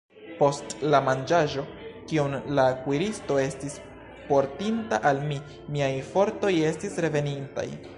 Post la manĝaĵo, kiun la kuiristo estis portinta al mi, miaj fortoj estis revenintaj.